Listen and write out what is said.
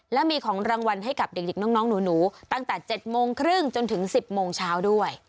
แล้วมีของรางวัลให้กับเด็กเด็กน้องน้องหนูหนูตั้งแต่เจ็ดโมงครึ่งจนถึงสิบโมงเช้าด้วย